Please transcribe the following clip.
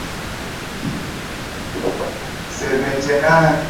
dola milioni saba zilitumika kuunda meli ya titanic